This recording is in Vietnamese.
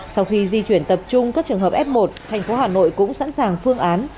sau khi di chuyển tập trung các trường hợp f một thành phố hà nội cũng sẵn sàng phương án